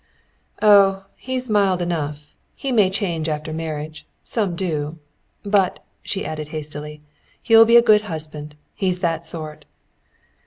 "Oh, he's mild enough. He may change after marriage. Some do. But," she added hastily, "he'll be a good husband. He's that sort."